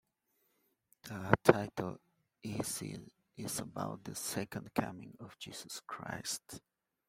The title essay is about the Second Coming of Jesus Christ.